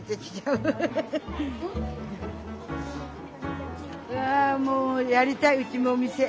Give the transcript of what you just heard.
うわもうやりたいうちもお店。